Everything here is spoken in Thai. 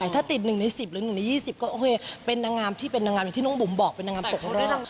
ถ้าติด๑ใน๑๐หรือ๑ใน๒๐ก็โอเคเป็นนางงามที่เป็นนางงามอย่างที่น้องบุ๋มบอกเป็นนางงามตกของเรา